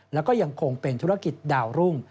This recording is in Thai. แล้วก็ยังคงเป็นธุรกิจดาวรุ่ง